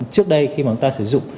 trước đây khi mà chúng ta sử dụng